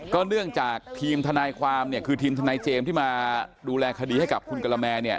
ก็เนื่องจากทีมทนายความทีมทนายเจมส์ที่มาดูแลคดีให้กับคุณกำลังแมน